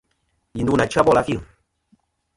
Yi ndu nà chya bòl a fil.